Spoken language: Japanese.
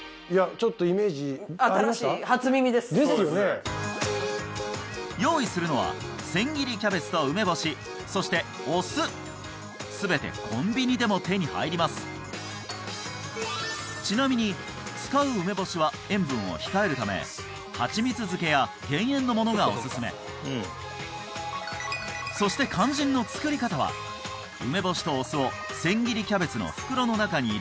ちょっとですよね用意するのは千切りキャベツと梅干しそしてお酢全てコンビニでも手に入りますちなみに使う梅干しは塩分を控えるためそして肝心の作り方は梅干しとお酢を千切りキャベツの袋の中に入れ